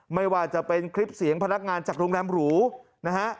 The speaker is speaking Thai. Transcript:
ไม่ว่าจะเป็นคลิปเสียงพนักงานจากโรงแรมหรูนะฮะ